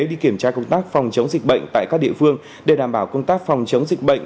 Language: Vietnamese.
đi kiểm tra công tác phòng chống dịch bệnh tại các địa phương để đảm bảo công tác phòng chống dịch bệnh